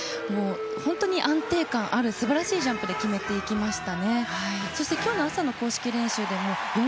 本当に安定感ある素晴らしいジャンプで決めていきました。